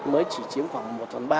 mới chỉ chiếm khoảng một phần ba